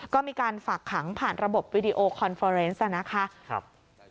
ก็มีการฝากขังผ่านระบบวิดีโอคอนเฟอร์เนสนะคะ